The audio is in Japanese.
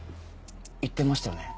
言ってましたよね。